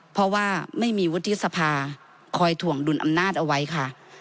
เพราะว่าไม่มีวุฒิสภาคอยถ่วงดุลอำนาจเอาไว้ค่ะ